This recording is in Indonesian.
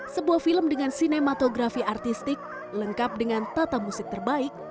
sebuah film dengan sinematografi artistik lengkap dengan tata musik terbaik